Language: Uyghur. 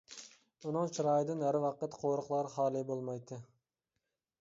ئۇنىڭ چىرايىدىن ھەر ۋاقىت قورۇقلار خالىي بولمايتتى.